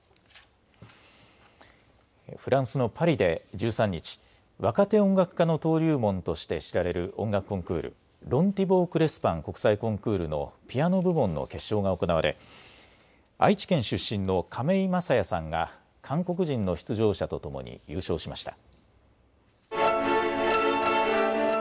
フランスのパリで１３日、若手音楽家の登竜門として知られる音楽コンクール、ロン・ティボー・クレスパン国際コンクールのピアノ部門の決勝が行われ愛知県出身の亀井聖矢さんが韓国人の出場者とともに優勝しました。